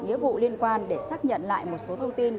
nghĩa vụ liên quan để xác nhận lại một số thông tin